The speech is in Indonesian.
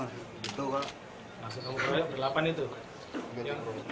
masukkan orang delapan itu